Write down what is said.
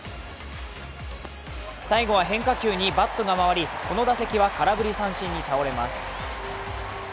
最後は変化球にバットが回りこの打席は空振り三振に倒れます。